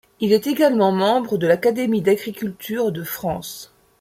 Il est également membre de l'Académie d'agriculture de France.